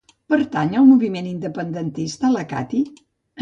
Pertany al moviment independentista la Cati?